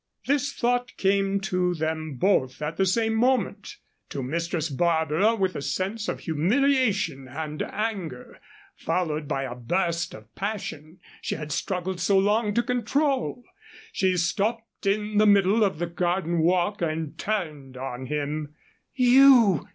This thought came to them both at the same moment to Mistress Barbara with a sense of humiliation and anger, followed by the burst of passion she had struggled so long to control. She stopped in the middle of the garden walk and turned on him: "You!"